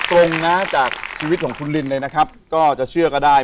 ตรงนะจากชีวิตของคุณลินเลยนะครับก็จะเชื่อก็ได้